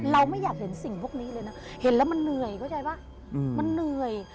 เราไม่อยากเห็นสิ่งพวกนี้เลยนะเห็นแล้วมันเหนื่อยเข้าใจป่ะมันเหนื่อย